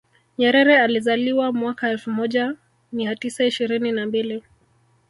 nyerere alizaliwa mwaka elfu moja mia tisa ishirini na mbili